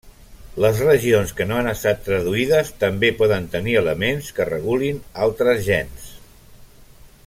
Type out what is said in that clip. Les regions que no han estat traduïdes també poden tenir elements que regulin altres gens.